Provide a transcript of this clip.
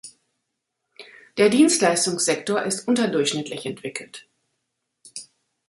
Der Dienstleistungssektor ist unterdurchschnittlich entwickelt.